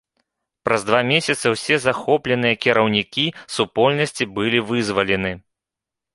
Праз два месяцы ўсе захопленыя кіраўнікі супольнасці былі вызвалены.